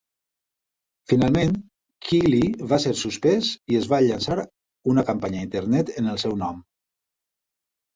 Finalment, Kiely va ser suspès i es va llançar una campanya a internet en el seu nom.